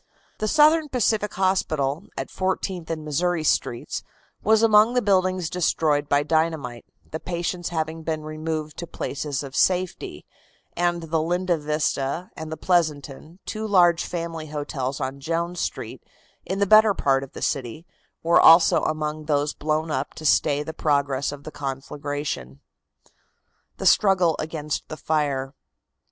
The Southern Pacific Hospital, at Fourteenth and Missouri Streets, was among the buildings destroyed by dynamite, the patients having been removed to places of safety, and the Linda Vista and the Pleasanton, two large family hotels on Jones Street, in the better part of the city, were also among those blown up to stay the progress of the conflagration. THE STRUGGLE AGAINST THE FIRE.